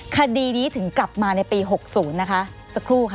คดีนี้ถึงกลับมาในปี๖๐นะคะสักครู่ค่ะ